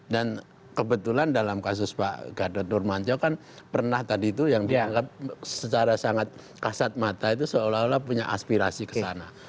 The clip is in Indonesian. dan kebetulan dalam kasus pak gatot nurmantio kan pernah tadi itu yang dianggap secara sangat kasat mata itu seolah olah punya aspirasi ke sana